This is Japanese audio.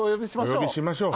お呼びしましょう。